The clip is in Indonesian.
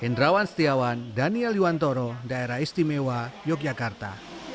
hendrawan setiawan daniel yuwantoro daerah istimewa yogyakarta